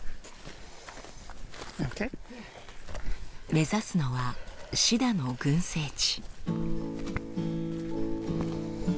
目指すのはシダの群生地。